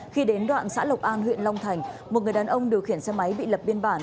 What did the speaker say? khi đến đoạn xã lộc an huyện long thành một người đàn ông điều khiển xe máy bị lập biên bản